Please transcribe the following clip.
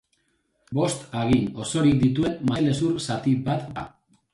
Bost hagin osorik dituen masailezur zati bat da.